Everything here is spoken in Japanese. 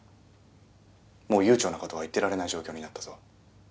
もう悠長な事は言ってられない状況になったぞ。